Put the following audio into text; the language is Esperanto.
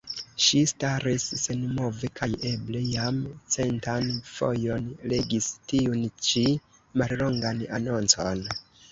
Ŝi staris senmove kaj eble jam centan fojon legis tiun ĉi mallongan anoncon.